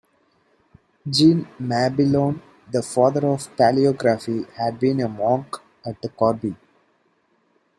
Jean Mabillon, the father of paleography, had been a monk at Corbie.